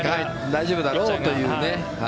大丈夫だろうというね。